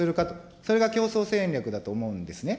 それが競争戦略だと思うんですね。